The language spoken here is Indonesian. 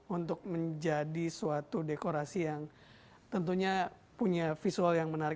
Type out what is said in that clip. untuk menjadi suatu dekorasi yang tentunya punya visual yang menarik